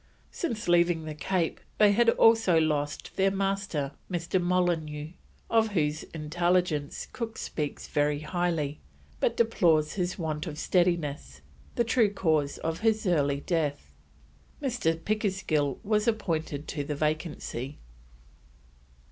Since leaving the Cape they had also lost their Master, Mr. Molineaux, of whose intelligence Cook speaks very highly, but deplores his want of steadiness, the true cause of his early death. Mr. Pickersgill was appointed to the vacancy.